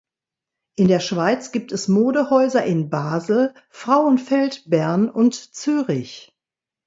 In der Schweiz gibt es Modehäuser in Basel, Frauenfeld, Bern und Zürich.